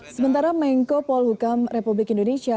sementara menko polhukam republik indonesia